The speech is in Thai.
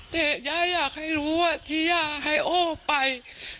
แต่ย่าอยากให้รู้ว่าที่ย่าให้โอ้ไป